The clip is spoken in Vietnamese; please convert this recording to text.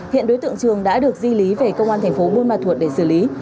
hiện đối tượng trường đã được di lý về công an thành phố bôn ma thuật để xử lý